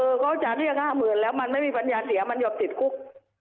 เขาจะเรียกห้าหมื่นแล้วมันไม่มีปัญญาเสียมันหยุดติดคุก